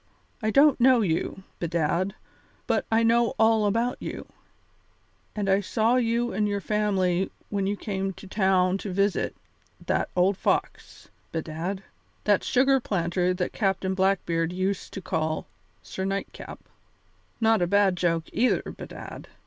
I don't know you, bedad, but I know all about you, and I saw you and your family when you came to town to visit that old fox, bedad, that sugar planter that Captain Blackbeard used to call Sir Nightcap. Not a bad joke, either, bedad.